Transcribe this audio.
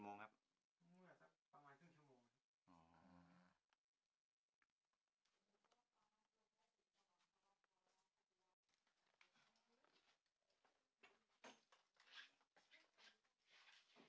ซึ่งมีมากจากความเป็นสะเต็ม